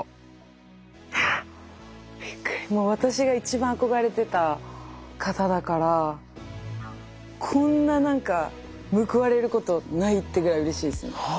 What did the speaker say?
私が一番憧れてた方だからこんな何か報われることないってぐらいうれしいですよね。